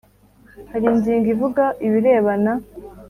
Hari Ingingo Ivuga Ibirebana